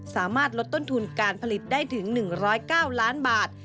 สามารถลดต้นทุนการผลิตได้ถึง๑๐๙ล้านบาท